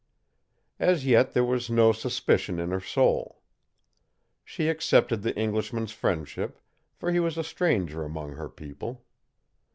As yet there was no suspicion in her soul. She accepted the Englishman's friendship, for he was a stranger among her people.